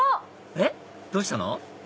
えっどうしたの？